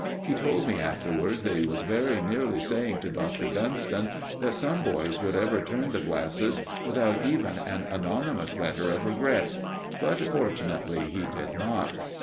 He told me afterwards that he was very nearly saying to Dr. Dunston that some boys would have returned the glasses without even an anonymous letter of regret; but fortunately he did not.